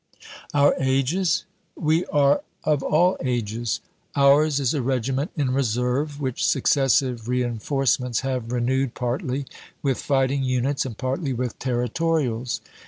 Our ages? We are of all ages. Ours is a regiment in reserve which successive reinforcements have renewed partly with fighting units and partly with Territorials.